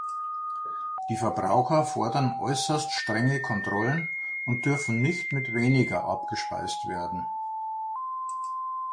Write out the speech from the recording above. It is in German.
Die Verbraucher fordern äußerst strenge Kontrollen und dürfen nicht mit weniger abgespeist werden.